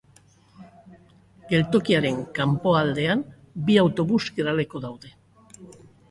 Geltokiaren kanpoaldean bi autobus geraleku daude.